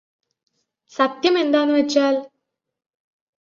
സത്യമെന്താന്നുവെച്ചാല്